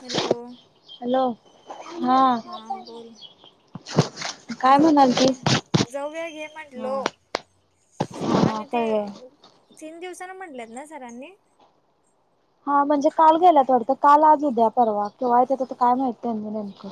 Hello! Hello हा हाबोल. काय जव म्हणाल घे तीस जव घे हा म्हणलो. हा हा आणि ते कळलं तीन दिवसाना म्हटलेत ना सरांनी. हा म्हणजे काल गेला थोड तर, काल आज उद्या परवा किंवा य तर, तर काय माहिती आहे नेमकं.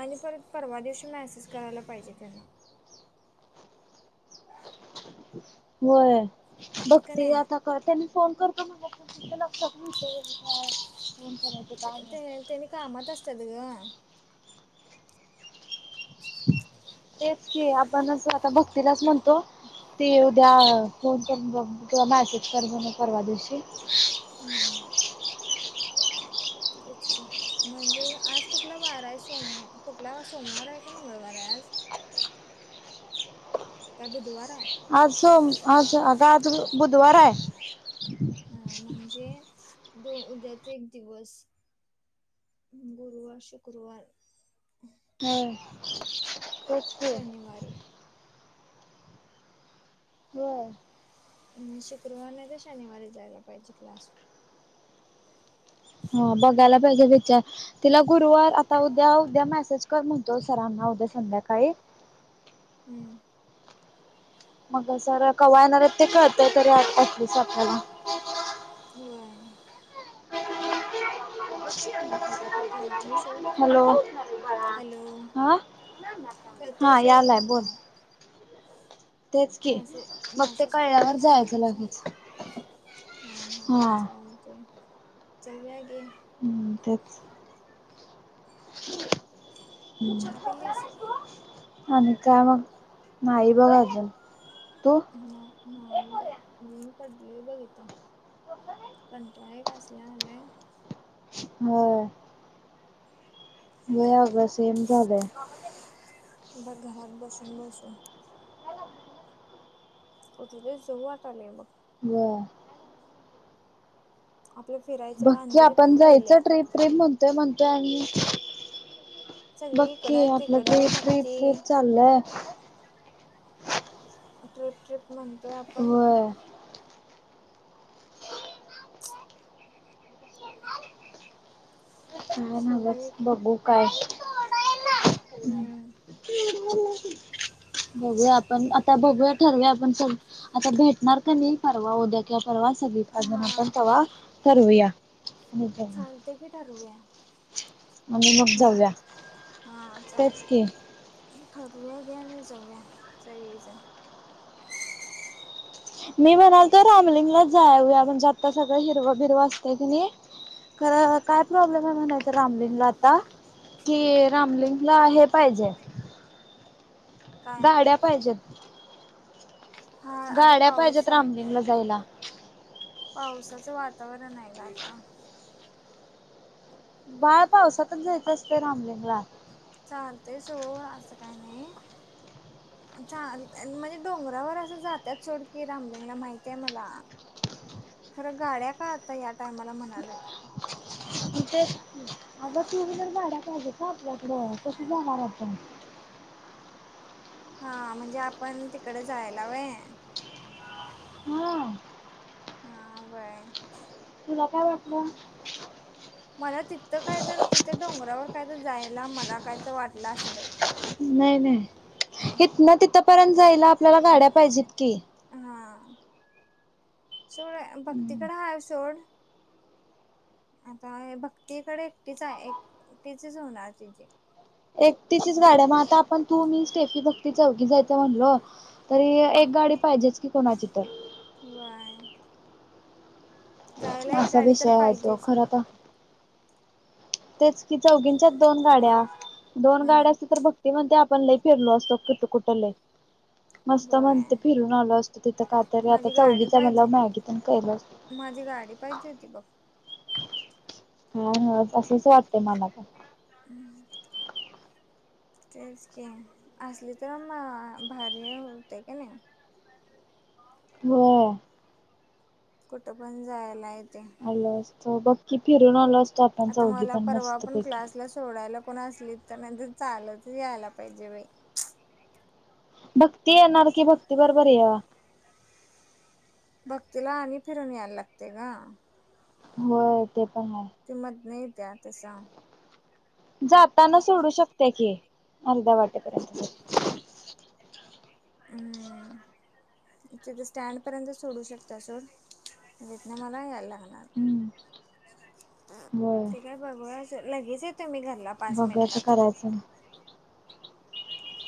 आणि परत परवा दिवशी मेसेज करायला पाहिजे त्यांना. होय का भक्ती नाही आता करते ना! फोन करत म ति लक्षातते. ते त्यांनी कामात असतात ग [unintelligible] [unintelligible] तेच की आपण अस, आता भक्तीलाच म्हणतो ते उद्या व्हा मॅसेज करज म परवा दिवशी. [inaudible] तेच म्हणजे आज कुठला वार आहे, सोम कुठला सोमवार आहे का मंगळवार आहे. बं. [unintelligible] ह [unintelligible] काय बुधवार हाय? आज सो, आज आग आज बुधवार आहे. हा म्हणजे दो उद्याचा एक दिवस. गुरुवार-शुक्रवार. हम. शनिवारी. होय शुक्रवार नाही तर शनिवारी जायला पाहिजे क्लास हा बघायला पाहिजे विचार, तिला गुरुवार आता उद्या-उद्या मेसेज कर म्हणतो सरांना उद्या. संध्याकाळी. हम्म. मग सर कवा येणार आहेत ते, कळत तरी पंचवीस तारखेला. व्हाय. कळतंय. हॅलो! हा, कळते हा सोड यालाय बोल. म्हटलं तेच की मॅसेज मग ते मॅसेज कळल्यावर जायचं लागेच. हा हा चालते जाऊया घे. हम्म तेच. आणि चहा पिलीस आणि काय मग? नाही बघ अजून. तू नाहीदा [unintelligible] पडलोय बघ हित, कंटाळेक असला आलाय. हो. होय आग सेम झालंय. ब घरात बसून-बसून. कुठ ते जावू वाट आलेय बग. व्हय. आपलं फिरायचं पण बक्की अंजली पण आपण जायचं गेल्या ट्रीप-ट्रीप म्हणतोय, म्हणतोय आणि सगळी बघकी इकडं आपलं तिकडं भक्ती ट्रीप-ट्रीप-ट्रीप चाललय. ट्रिप-ट्रिप म्हणतोय आपण. होय काय सगळे नव्हच बघू काय. हम्म. ह [unintelligible] बघूया आपण, आता बघूया ठरवूया आपण, सगळीजण आता भेटणार का नाही परवा उद्या कि परवा सग अजून आप हा आपण तवा ठवूया. चालतय की ठरवूया. मग बा जाऊया हा तेच की चालतय. ठरवूया घ्या आणि जाऊया सगळे जण. मी म्हणाल तो रामलिंगला जाऊया, म्हणजे आत्ता सगळं हिरवा- बिरवा असते की नाही खरं काय प्रॉब्लेम आहे, माहितीये त्या रामलिंगला आता. कि रामलिंगला हे पाहिजे काय गाड्या पाहिजेत. हा आता गाड्या पाहिज्यात पावसा रामलिंगला जायला. पावसाचं वातावरण आहे ना आता. बाळ पावसातच जायचं असतं रामलिंगला. चालतय सोड असं काय नाही. चां म्हणजे डोंगरावर असं जात्यात सोड की, रामलिंगला माहतीय मला. खरं गाड्या का आता या टायमाला म्हणाले बाई. तिथं आता टू व्हीलर गाड्या पाहिजे ना आपल्याकडं, कस जाणार आपण. हा म्हणजे आपण तिकडे जायला व्हय. हम्म. हा व्हय. तुला काय वाटलं? मला तिथं काय तर, तिथं डोंगरावर काय तर जायला मला काय तर वाटलं असं बाई नाही-नाही इथन तिथंपर्यंत जाईला आपल्याला गाड्या पाहिजेत की. हा सोड, भक्तीकडे हाय सोड आता भक्तीकडे एकटीच आहे. एकटीचीच होणार तिची. एकटीचीच गाडी हाय, मग आता आपण तू, मी, स्टेफी, भक्ती, चौघी जायचं म्हणलो तरी एक गाडी पाहिजेच की कोणाची तर, व्हय. जायला एक असा गाडी विषय तर आहे तो, पाहिजेच खर तर तेच की चौघींच्याच दोन गाड्या, दोन गाड्या, हम्म असल्या तर भक्ती म्हणत्या पण लई फिरलो असतो. कुठ-कुठ लई. मस्त व्हय म्हणते फिरून आलो असतो. तिथं काहीतरी, आता माझी गाडी चौघच हाय पाहिजे म्हणण्यावर मला मॅगी पण केलं असत. माझी गाडी पाहिजे होती बघ! हा असंच वाटतय मला पण. उं तेच की असली तर मं भारी होतय कने. हो. कुठं पण जायला येते आल असत बक्की फिरून आलो असतो आपण आता चौघी मला पण परवा पण मस्तपैकी क्लासला सोडायला कोण असलीत तर नाहीतर चालत यायला पाहिजे बाई भक्ती येणार की भक्ती बरोबर या. भक्तीला आणि फिरून यायला लागतय ग. होय ते पण आहे. त्या तसा जाताना सोडू शकते की अर्ध्या वाटेपर्यंत. हुं. तिथे स्टँड पर्यंत सोडू शकत्या सोड तितन मला यायलागल. हम्म होय [unintelligible] तुम्ही घरला पाच बघायचं मिनटात करायचं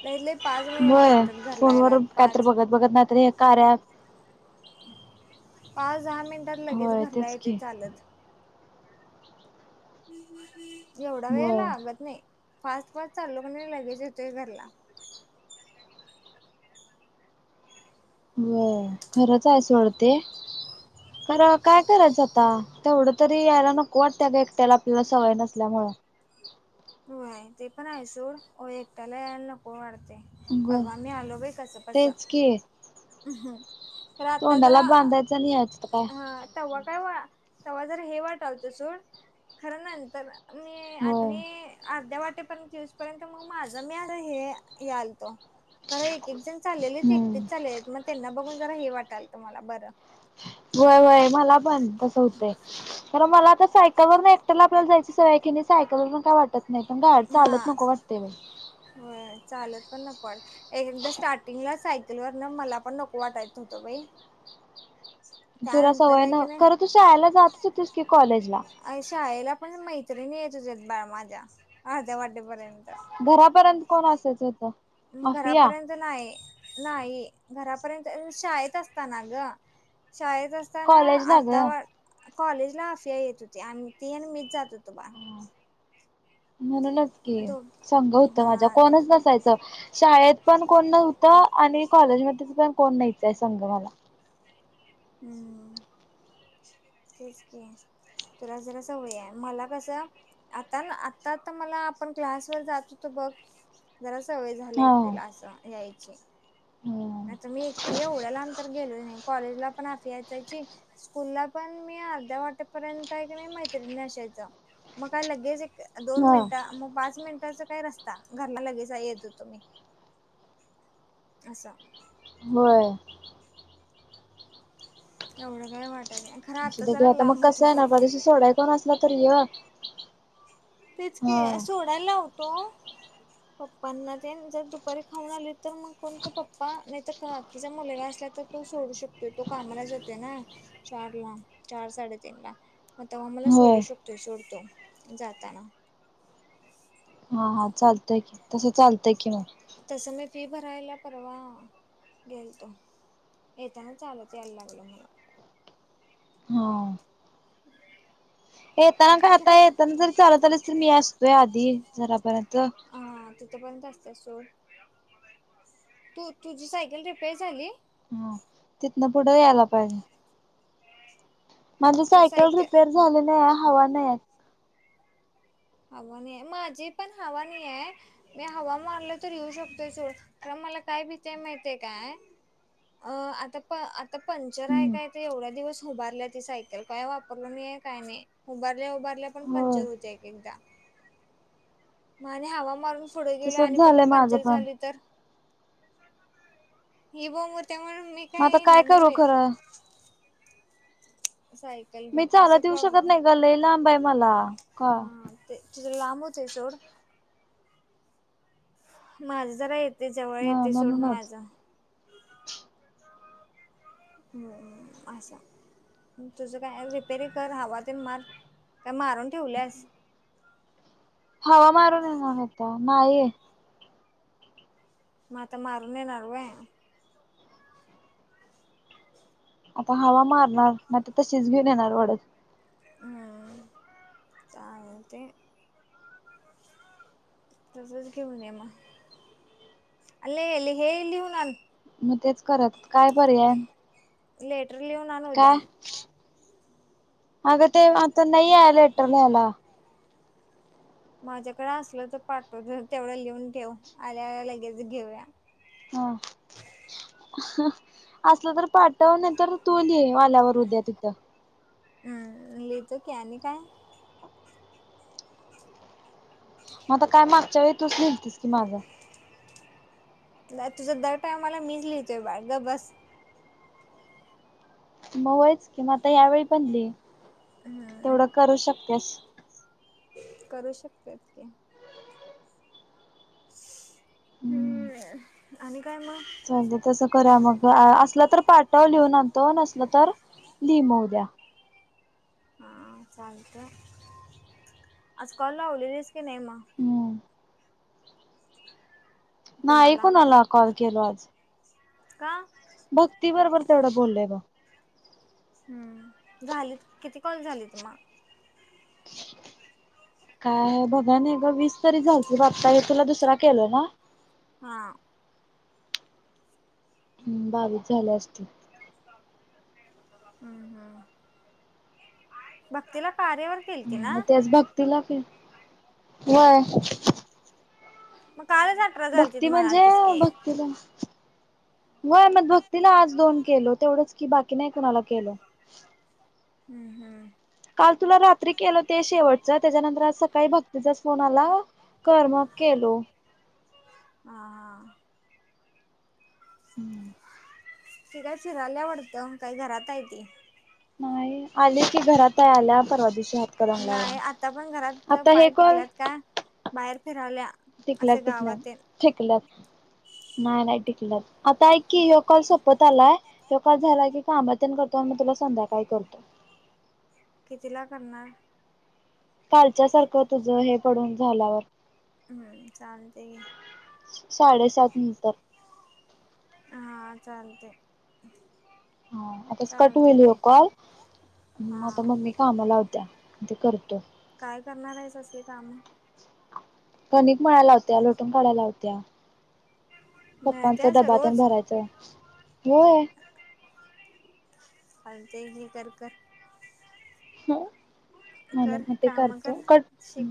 लइत-लइ ब फोनवर कायतर बघत-बघत नाही तर हें कार्य ऍप पाच, दहा मिनिटात लगेच घरला तेच येतोय की चालत. एवढा वेळ होय लागत नाही फास्ट-फास्ट चाललो कने, लगेच येतोय घरला. होय खरंच आहे सोड ते. खर काय करायचं आता तेवढं तरी यायला नको, वाटतं आग एकट्याला आपल्याला सवय नसल्यामुळं. [inaudible] होय. ते पण आहे सोड, एकट्याला यायला नको वाटत ग परवा मी आलो बाई कस-कस तेच की हम्. खरं आता तोंडाला जरा बांधायचं आणि यायचं काय हा तेव्हा काय व तेव्हा जर हे वाटालत सोड. खरं नंतर मी होय. आणि अर्ध्या वाटेपर्यंत युसपर्यंत मग माज मी हे यालतो. खरं एकेक जण चालेलीत, हम्म एकटेच चालेलीत, मग त्यांना बघून जरा हे वाटालत, मला बरं. वय-वय मला पण तस होतंय. तर मला कस. सायकल वरन एकट आपल्याला जायची सवय हाय कनी, सायकल वरण काय वाटतं नाही पण गड हा चालत नको वाटते व. चालच पण नको वाट एक एकदा स्टार्टिंगला सायकल वर न मला पण नको वाटायचं होतं बाई. हम ह [unintelligible] तुला त्यानंतर सवय आहे न की नाही खरं, तू शाळेला जातच होतीस, की कॉलेज ला. म्हणजे मैत्रिणी येत होच आहेत, बाळ माझ्या अर्ध्या वाटेपर्यंत. घरापर्यंत कोण असायचं. अफिया घरापर्यंत नाही नाही. घरापर्यंत शाळेत असताना, ग शाळेत असताना कॉलेजला अर्धा ग. वाट कॉलेज ला अफिया येत होती, आणि त आणि मीच जात होतो बा म्हणूनच की संग होत, हा माझ्या कोणच नसायचं शाळेत. पण कोण नव्हत आणि कॉलेज, मध्ये पण कोण नाहीचंय संग मला. हम्म [unintelligible] तेच क तुला जरा सवय आहे, मला कस आता आ. आ मला आपण क्लास वर जातोतो बघ ज सवय झाल्या हा एकटीला अस यायची आता, हा मी एकटी एवढ्या लाब तर गेलो. कॉलेज ला. पणि यायचायची स्कूलला, पण मी अर्ध्या वाटेपर्यंत आहे, की नाही मैत्रिणी असशायच. मग काय लगेच एक दोन मिनिटं मग पाच मिनिट. काय रस्ता घरला लगेच येत होतुम्ही अस. होय. एवढं काय वाट अ क आता मग कसं, आहेणार बाजशी सोडाय कोण असला, तरी य- [inaudible] तेच के सोडायला लावतो. ह [unintelligible] पप्पांना दे जर दुपारी खाऊन आली तर मग कोणतो पप्पा नाही, तर तिच्या मुलेला असला तर. तो सोडू शकतोय तो कामाला जातोय, ना चार ला चार साडेतीन ला. आता मला होय सोडू शकतो, सोडतो जाताना. हा हा चालतय की तसं चालतय की मग. तसं मी फी भरायला परवा गेल तो. येत ह चालच यायला लागलं मला. हा हम्म [unintelligible] येताना का आता येताना जर चालत, आलेस तर मी असतोय आधी जरापर्यंत. आपर्यंतत सो तू तुझी सायकल रिपेर झाली. [unintelligible] हा तिथन पुढे यायला पाहिजे. म्हणजे सायकल रिपेअर झाले नाही हवा नाही. हवा नाही माझी पण हवा नाही आहे, मी हवा मानल तर येऊ शकतोय. मला काय काय आता. आता पंचर आहे हम्म काय एवढ्या दिवस उभारल्या ती सायकल काय वापरल नाहीे काय नाही उभारल्या उभारल्या पण होय पंचर हूतीय. म आणि हवा मारून पुढे गेले तसच आणि झालंय परत माझं पंचर पण झाली तर ह बो म त्या म मी मग काय आता न करू भ [inaudible] खरं मी असं चालत येऊ शकत नाही ग लय लांब आहे मला का हम्म ते तिझ लांब होत आहे सोड [inaudible] माझ जरा येते जवळ हा येते सोडून माझ, म्हणूनच तुझं काय रिपेरी कर हवा तेन मार काय मारून ठेवल्यास. हवा मारून येणार होता नाहीे. मता मारुन येणार व्हय. आता हवा मारणार म तशीच घेऊन येणार ओढत. हम् त्या ते तसच घेऊन ये म अ लि हे लिहून आण मग तेच करत काय पर्याय लेटर लिहून आण उद्या काय अगं ते आता नाही या लेटरला आला माझ्याकडें असलं तर पाठव तेवढं लिहून ठेव. आल्या लगेच घेऊया. हा असलं तर पाठव नाही तर तू लीही आल्यावर उद्या तिथं हम्म लिहितो कि आणि काय मग आता काय मागच्या वेळी तूच लिहलीतीस की माझं नाही तुझं दर टायमाला मीच लिहितोय बाळ गप्प बस मं होयच कि मग आता यावेळी पण लिही हम्म तेवढं करू शकत्यास करू शकत्यात की हम्म हम् आणि काय मग चालतंय तस करूया मग असलं तर पाठव लिहून आणतो नसलं तर लिही मग उद्या हा चालतंय आज कॉल लावलेलीस की नाही मग हम्म नाही कोणाला कुणाला कॉल केलो आज का भक्ती बरोबर तेवढं बोललंय बघ हम्म झालीत किती कॉल झालीत मग काय बघाय नाही ग वीस तरी झालतीत आता ह्यो तुला दुसरा केलो ना हा हम् बावीस झाले असतील. हम्म हम्म भक्तीला कार्यावर केल मग त्याच भक्ती ला फे व्हय मग कालच अठरा झालतीत भक्ती म्हणजे म्हणालतीस की भक्तीला मग अ म भक्तीला आज दोन केलो तेवढंच कि बाकी नाही कुणाला केलो हम्म हम् काल तुला रात्री केलो ते मला कर्म केलो हा हा हम्म ती काय फिराल्या वाटतं काय घरात आहे ती नाही आले की घरात आहे आल्या परवा दिवशी नाही हातकणंगल्यावरून आता पण घरात आता हे पाय कॉल टिकल्यात काय बाहेर फिराल्या टिकल्यात असे गावात टिकल्यात तेन टिकल नाही नाही टिकल्यात आता कि यो कॉल सपत आलाय व्ह्यो काय झाला की काम तेन करतो आणि मग तुला संध्याकाळी करतो. कितीला करणार. कालच्या सारखं तुझं हे पडून झाल्यावर. हम्म चालतंय घे साडेसात नंतर. हा चालतय हा आताच कट होईल हेयो कॉल हा म आता मम्मी कामं लावत्या. ते करतो. काय करणार आहेस असे काम. कनिक मळायला लावत्या लोटून काढायला लावत्या. पप्पांचा मिळत्याच डबा तेन रोज भरायचं होय. आणि ते हे कर कर. ह म्हून कर म ते कामं करतो कर कट शिक